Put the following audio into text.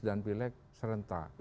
dan pilek serentak